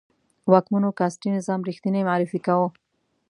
واکمنو کاسټي نظام ریښتنی معرفي کاوه.